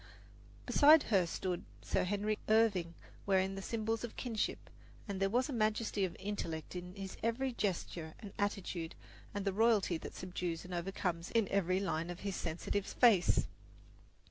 Beside her stood Sir Henry Irving, wearing the symbols of kingship; and there was majesty of intellect in his every gesture and attitude and the royalty that subdues and overcomes in every line of his sensitive face.